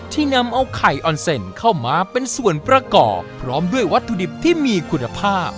นำเอาไข่ออนเซ็นเข้ามาเป็นส่วนประกอบพร้อมด้วยวัตถุดิบที่มีคุณภาพ